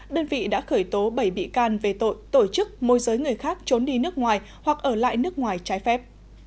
đơn vị đã khởi tố bảy bị can về tội tổ chức môi giới người khác trốn đi nước ngoài hoặc ở lại nước ngoài trái phép